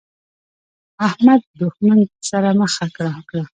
احمد د دوښمن مخه وکړه.